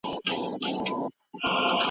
د ملکيت حق بايد خوندي وي.